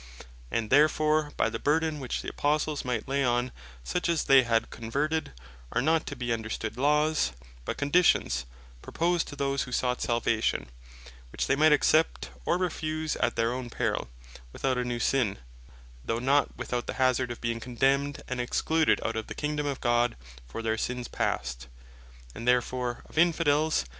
And therefore by the Burthen, which the Apostles might lay on such as they had converted, are not to be understood Laws, but Conditions, proposed to those that sought Salvation; which they might accept, or refuse at their own perill, without a new sin, though not without the hazard of being condemned, and excluded out of the Kingdome of God for their sins past. And therefore of Infidels, S.